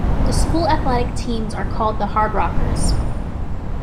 The school athletic teams are called the "Hardrockers".